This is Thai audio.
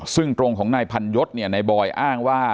ซึ่งตรงของนายพันยศนายบอยอ้างว่า